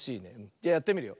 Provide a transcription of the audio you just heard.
じゃやってみるよ。